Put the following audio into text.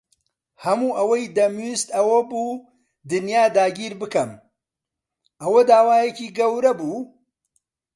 هەموو ئەوەی دەمویست ئەوە بوو دنیا داگیر بکەم. ئەوە داوایەکی گەورە بوو؟